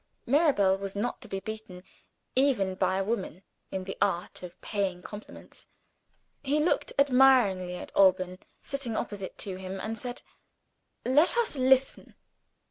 Mirabel was not to be beaten, even by a woman, in the art of paying compliments. He looked admiringly at Alban (sitting opposite to him), and said: "Let us listen."